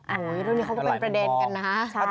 อันนี้เขาก็เป็นประเด็นกันนะคะ